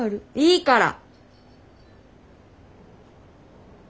いいから！